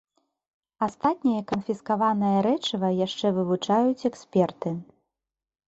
Астатняе канфіскаванае рэчыва яшчэ вывучаюць эксперты.